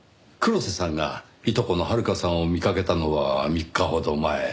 黒瀬さんがいとこの遥香さんを見かけたのは３日ほど前。